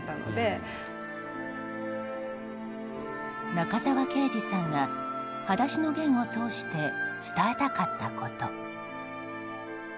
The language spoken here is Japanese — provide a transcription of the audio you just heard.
中沢啓治さんが「はだしのゲン」を通して伝えたかったこと。